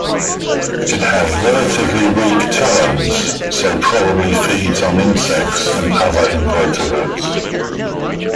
It has relatively weak talons so probably feeds on insects and other invertebrates.